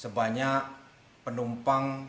sebanyak penumpang dua ratus lima puluh delapan penumpang